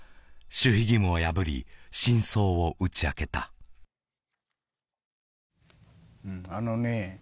守秘義務を破り真相を打ち明けたうんあのね